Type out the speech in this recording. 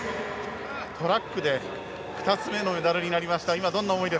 トラックで２つ目のメダルになりました